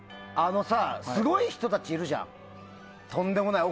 すごい人たちいるじゃん。